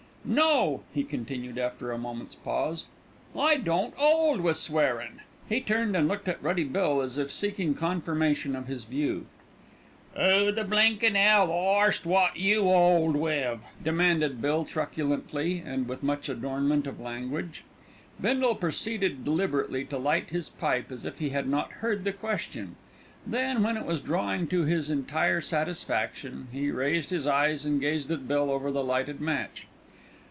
No!" he continued after a moment's pause, "I don't 'old wi' swearin'." He turned and looked at Ruddy Bill as if seeking confirmation of his view. "'Oo the blinkin' 'ell arst wot you 'old wiv?" demanded Bill truculently, and with much adornment of language. Bindle proceeded deliberately to light his pipe as if he had not heard the question; then, when it was drawing to his entire satisfaction, he raised his eyes and gazed at Bill over the lighted match.